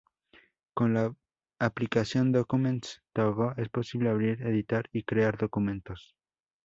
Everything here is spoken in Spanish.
Con la aplicación Documents to Go es posible abrir, editar y crear documentos.